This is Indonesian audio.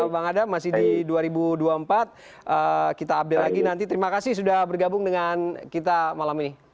bang adam masih di dua ribu dua puluh empat kita update lagi nanti terima kasih sudah bergabung dengan kita malam ini